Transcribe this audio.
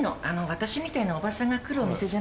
私みたいなおばさんが来るお店じゃないから。